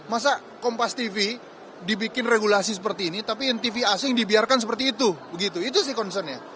masa kompas tv dibikin regulasi seperti ini tapi tv asing dibiarkan seperti itu begitu itu sih concernnya